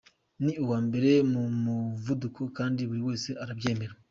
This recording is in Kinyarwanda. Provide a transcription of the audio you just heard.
Ni uwa mbere ku muvuduko kandi buri wese arabyemera.